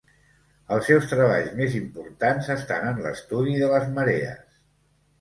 Els seus treballs més importants estan en l'estudi de les marees.